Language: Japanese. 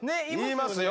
言いますよ。